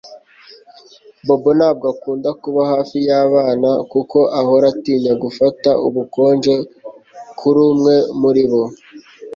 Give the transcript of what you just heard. Bobo ntabwo akunda kuba hafi yabana kuko ahora atinya gufata ubukonje kuri umwe muribo